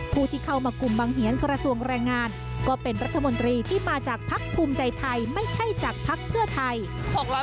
ผู้ที่เข้ามากลุ่มบังเหียนกระทรวงแรงงานก็เป็นรัฐมนตรีที่มาจากภักดิ์ภูมิใจไทยไม่ใช่จากภักดิ์เพื่อไทย